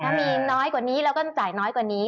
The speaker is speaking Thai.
ถ้ามีน้อยกว่านี้เราก็จะจ่ายน้อยกว่านี้